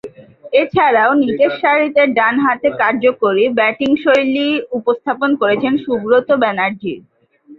এছাড়াও, নিচেরসারিতে ডানহাতে কার্যকরী ব্যাটিংশৈলী উপস্থাপন করেছেন সুব্রত ব্যানার্জী।